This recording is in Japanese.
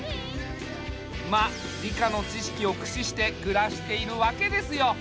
まあ理科のちしきをくししてくらしているわけですよ。